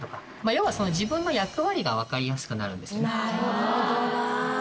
要は自分の役割がわかりやすくなるんですね。